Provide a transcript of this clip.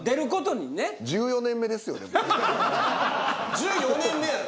１４年目やろ？